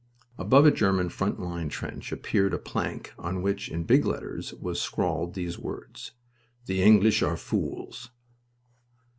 Above a German front line trench appeared a plank on which, in big letters, was scrawled these words "The English are fools."